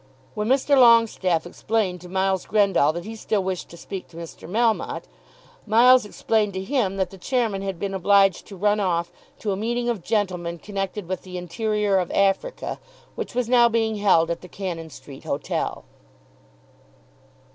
When Mr. Longestaffe explained to Miles Grendall that he still wished to speak to Mr. Melmotte, Miles explained to him that the chairman had been obliged to run off to a meeting of gentlemen connected with the interior of Africa, which was now being held at the Cannon Street Hotel.